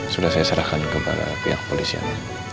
sudah saya serahkan kepada pihak polisian